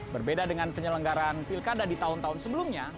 berbeda dengan penyelenggaran pilkada di tahun tahun sebelumnya